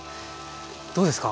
どうですか？